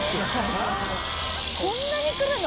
「こんなに来るの？」